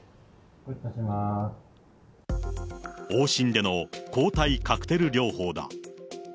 往診での抗体カクテル療法だ。